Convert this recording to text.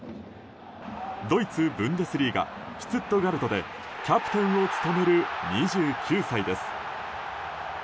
ドイツ・ブンデスリーガシュツットガルトでキャプテンを務める２９歳です。